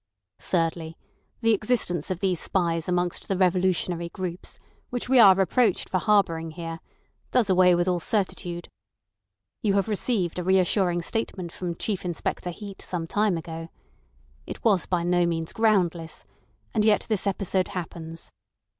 Thirdly, the existence of these spies amongst the revolutionary groups, which we are reproached for harbouring here, does away with all certitude. You have received a reassuring statement from Chief Inspector Heat some time ago. It was by no means groundless—and yet this episode happens.